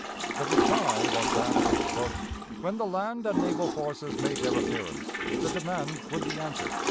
The reply was that, "when the land and naval forces made their appearance, the demand would be answered."